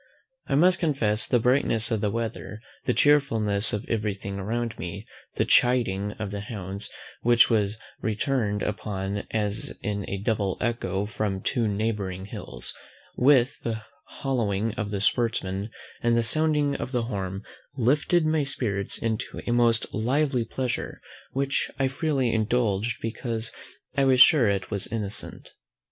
I must confess the brightness of the weather, the chearfulness of every thing around me, the CHIDING of the hounds, which was returned upon us in a double echo from two neighbouring hills, with the hollowing of the sportsmen, and the sounding of the horn, lifted my spirits into a most lively pleasure, which I freely indulged because I was sure it was innocent.